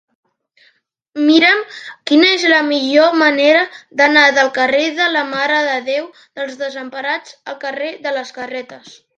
Mira'm quina és la millor manera d'anar del carrer de la Mare de Déu dels Desemparats al carrer de les Carretes.